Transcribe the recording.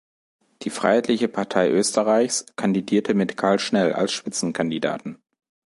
Die Freiheitliche Partei Österreichs kandidierte mit Karl Schnell als Spitzenkandidaten.